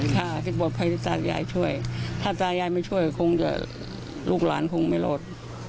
ค่ะที่บทพัฒน์ยายช่วยถ้าพัฒน์ยายไม่ช่วยลูกหลานคงไม่ลด